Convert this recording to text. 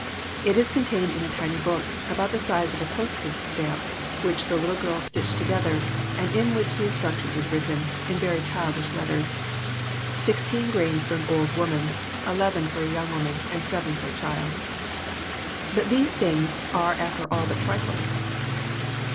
It is contained in a tiny book, about the size of a postage stamp, which the little girl stitched together and in which the instruction is written, in very childish letters, "16 grains for an old woman, 11 for a young woman, and 7 for a child." But these things are after all but trifles.